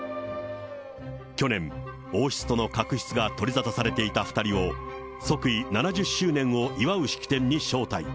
去年、王室との確執が取りざたされていた２人を、即位７０周年を祝う式典に招待。